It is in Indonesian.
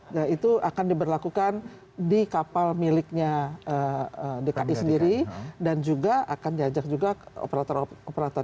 nah itu akan diberlakukan di kapal miliknya dki sendiri dan juga akan diajak juga operator operator